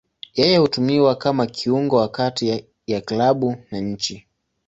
Yeye hutumiwa kama kiungo wa kati ya klabu na nchi.